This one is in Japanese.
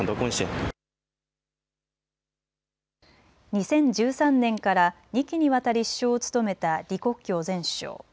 ２０１３年から２期にわたり首相を務めた李克強前首相。